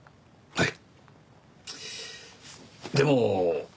はい？